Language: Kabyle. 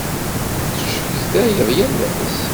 Tecetkayeḍ yal ass.